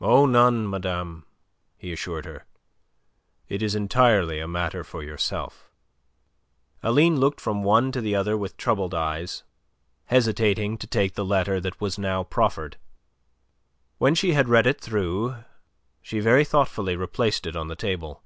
"Oh, none, madame," he assured her. "It is entirely a matter for yourself." Aline looked from one to the other with troubled eyes, hesitating to take the letter that was now proffered. When she had read it through, she very thoughtfully replaced it on the table.